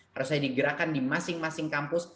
harus jadi gerakan di masing masing kampus